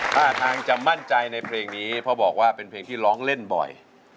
ท่าทางจะมั่นใจในเพลงนี้เพราะบอกว่าเป็นเพลงที่ร้องเล่นบ่อย